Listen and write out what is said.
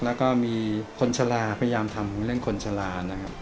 แล้วก็มีคนชะลาพยายามทำเรื่องคนชะลานะครับ